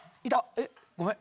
えっごめん。